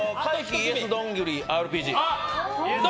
ＹｅｓどんぐりＲＰＧ。